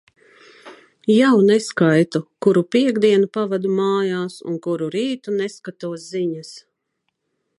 Jau neskaitu, kuru piektdienu pavadu mājās un kuru rītu neskatos ziņas.